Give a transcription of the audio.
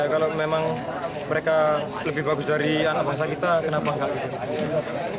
kalau memang mereka lebih bagus dari anak bangsa kita kenapa enggak gitu